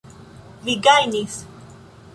Vi gajnis!